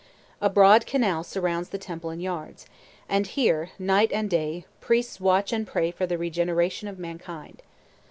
A broad canal surrounds the temple and yards, and here, night and day, priests watch and pray for the regeneration of mankind.